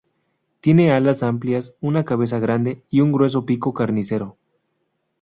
Tiene alas amplias, una cabeza grande y un grueso pico "carnicero".